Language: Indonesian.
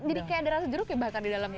jadi kayak ada rasa jeruk ya bakar di dalam